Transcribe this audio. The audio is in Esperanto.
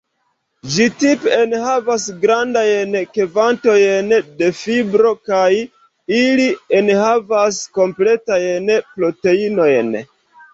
Ĝi tipe enhavas grandajn kvantojn da fibro kaj ili enhavas kompletajn proteinojn.